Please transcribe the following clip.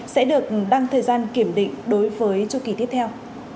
sẽ được đăng thời gian kiểm định đối với chu kỳ tiếp theo